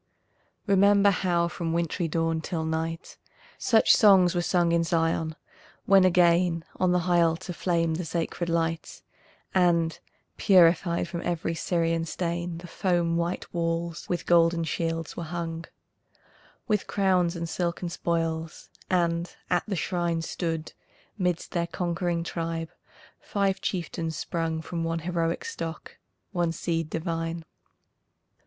Remember how from wintry dawn till night, Such songs were sung in Zion, when again On the high altar flamed the sacred light, And, purified from every Syrian stain, The foam white walls with golden shields were hung, With crowns and silken spoils, and at the shrine, Stood, midst their conqueror tribe, five chieftains sprung From one heroic stock, one seed divine.